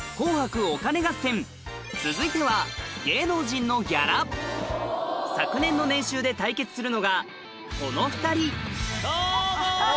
続いては昨年の年収で対決するのがこの２人どうも！